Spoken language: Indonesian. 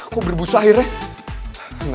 kok berbusa airnya